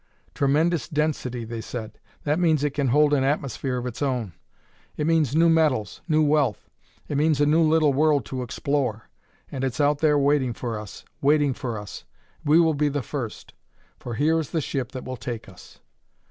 'Tremendous density,' they said. That means it can hold an atmosphere of its own. It means new metals, new wealth. It means a new little world to explore, and it's out there waiting for us. Waiting for us; we will be the first. For here is the ship that will take us.